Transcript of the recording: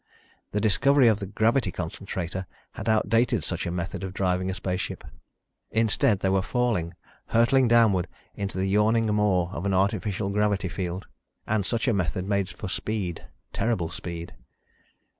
The discovery of the gravity concentrator had outdated such a method of driving a spaceship. Instead, they were falling, hurtling downward into the yawning maw of an artificial gravity field. And such a method made for speed, terrible speed.